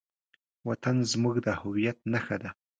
وطن زموږ د هویت نښه ده.